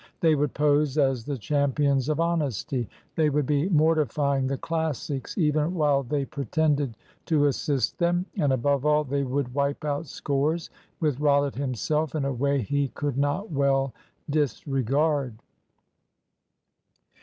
They would pose as the champions of honesty. They would be mortifying the Classics, even while they pretended to assist them; and, above all, they would wipe out scores with Rollitt himself, in a way he could not well disregard.